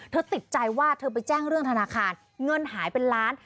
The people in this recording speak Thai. ติดใจว่าเธอไปแจ้งเรื่องธนาคารเงินหายเป็นล้าน